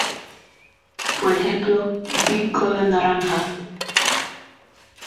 Por ejemplo, Big Cola Naranja.